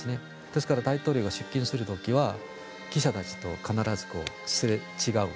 ですから大統領が出勤する時は記者たちと必ずすれ違う。